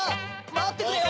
まってくれよ！